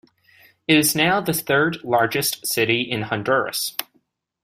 It is now the third-largest city in Honduras.